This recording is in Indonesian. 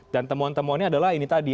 dan temuan temuan ini adalah ini tadi